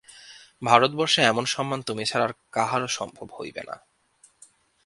ভারতবর্ষে এমন সম্মান তুমি ছাড়া আর কাহারো সম্ভব হইবে না।